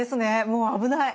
もう危ない。